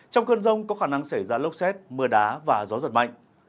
trong cơn rông có khả năng xảy ra lốc xét mưa đá và gió giật mạnh